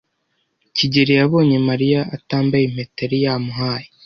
kigeli yabonye Mariya atambaye impeta yari yamuhaye.